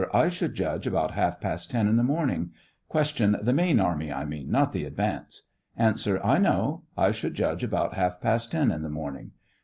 I should judge ab'out half past ten in the morning. Q. The main army I mean, not the advance? A. I know ; I should judge about half past ten in the morning.